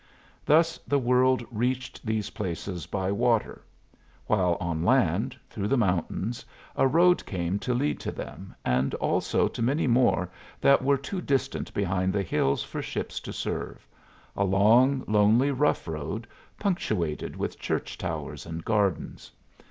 Thus the world reached these places by water; while on land, through the mountains, a road came to lead to them, and also to many more that were too distant behind the hills for ships to serve a long, lonely, rough road, punctuated with church towers and gardens.